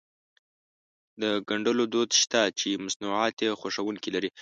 د ګنډلو دود شته چې مصنوعات يې خوښوونکي لري.